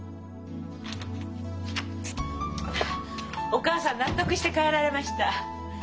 お母さん納得して帰られました。